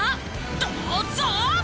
どうぞ！